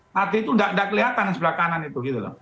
nanti itu nggak kelihatan sebelah kanan itu gitu loh